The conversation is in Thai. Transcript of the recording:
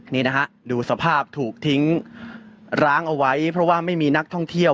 นี่นะฮะดูสภาพถูกทิ้งร้างเอาไว้เพราะว่าไม่มีนักท่องเที่ยว